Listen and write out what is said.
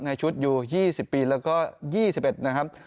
ในชุดอยู่๒๐ปีแล้วก็๒๑นะครับ